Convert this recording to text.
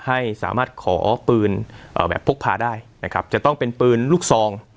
ให้สามารถขอปืนแบบพกพาได้นะครับจะต้องเป็นปืนลูกซอง